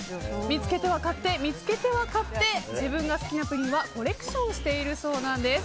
見つけては買って見つけては買って自分が好きなプリンはコレクションしているそうなんです。